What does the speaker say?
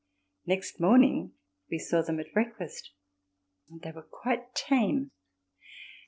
Next morning we saw them at breakfast and they were quite tame.